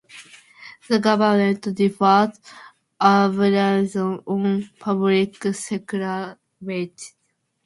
The government deferred arbitration on public sector wages.